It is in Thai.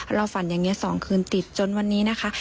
เราฝันอย่างนี้๒คืนติดจนวันนี้นะคะ